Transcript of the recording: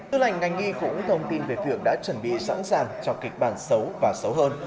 tư lệnh ngành y cũng thông tin về việc đã chuẩn bị sẵn sàng cho kịch bản xấu và xấu hơn